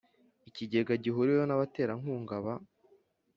Ikigega gihuriweho n abaterankunga ba